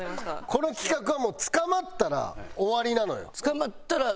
この企画はもう捕まったら終わりなのよ。